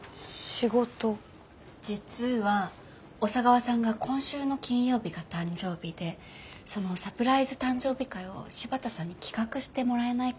実は小佐川さんが今週の金曜日が誕生日でそのサプライズ誕生日会を柴田さんに企画してもらえないかと思って。